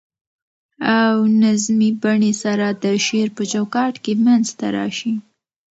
او نظمي بڼې سره د شعر په چو کاټ کي منځ ته راشي.